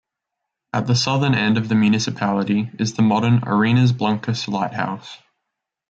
At the southern end of the municipality is the modern Arenas Blancas Lighthouse.